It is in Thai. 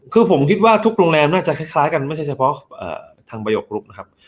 คือผมคิดว่าทุกโรงแรมน่าจะคล้ายกันไม่ใช่เฉพาะทางประโยคลุกนะครับ